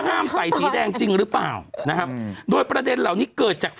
หนุ่มกำลังอ่านอยู่อีบ้า